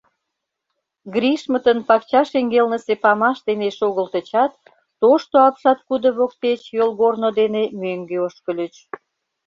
Гришмытын пакча шеҥгелнысе памаш дене шогылтычат, тошто апшаткудо воктеч йолгорно дене мӧҥгӧ ошкыльыч.